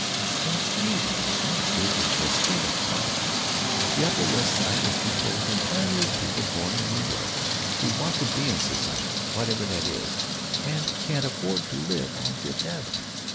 "Indeed it is not. It's a state of pocketbook. The Upper West Side is composed entirely of people born in New York who want to be in society, whatever that is, and can't afford to live on Fifth Avenue.